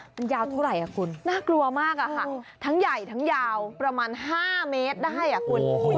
มันยาวเท่าไหร่อ่ะคุณน่ากลัวมากอะค่ะทั้งใหญ่ทั้งยาวประมาณ๕เมตรได้อ่ะคุณ